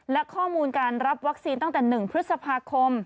และข้อมูลการรับวัคซีนตั้งแต่๑พฤษภาคม